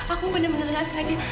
aku bener bener gak sengaja